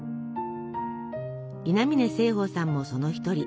稲嶺盛保さんもその一人。